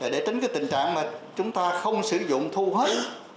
để tránh cái tình trạng mà chúng ta không sử dụng thu hết